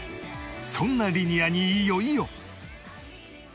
そんなリニアにいよいよ